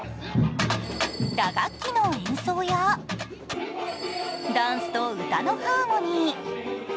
打楽器の演奏やダンスと歌のハーモニー。